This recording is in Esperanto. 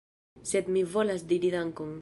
♫ Sed mi volas diri dankon ♫